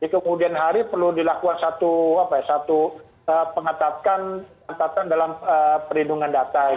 kemudian hari perlu dilakukan satu pengetahuan dalam perlindungan data